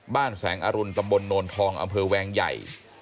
แสงอรุณตำบลโนนทองอำเภอแวงใหญ่